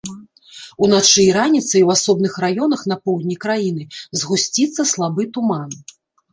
Уначы і раніцай у асобных раёнах на поўдні краіны згусціцца слабы туман.